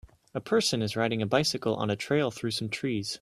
A person is riding a bicycle on a trail through some trees